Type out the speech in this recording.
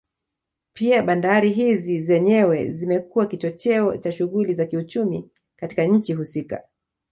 Pia bandari hizi zenyewe zimekuwa kichocheo cha shughuli za kiuchumi katika nchi husika